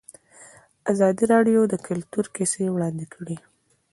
ازادي راډیو د کلتور کیسې وړاندې کړي.